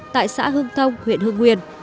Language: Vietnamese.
tại xã hương thông huyện hương nguyên